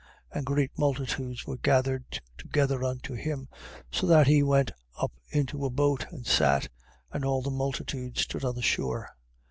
13:2. And great multitudes were gathered together unto him, so that he went up into a boat and sat: and all the multitude stood on the shore.